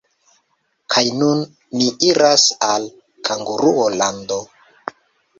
Kaj nun ni iras al Kanguruo-lando.